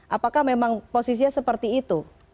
apakah memang posisinya seperti itu